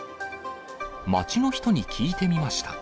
街の人に聞いてみました。